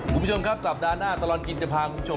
คุณผู้ชมครับสัปดาห์หน้าตลอดกินจะพาคุณผู้ชม